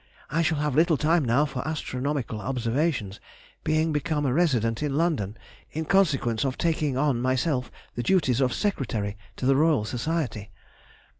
I shall have little time now for astronomical observations, being become a resident in London in consequence of taking on myself the duties of Secretary to the Royal Society.